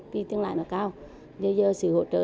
vì tiền lại nó cao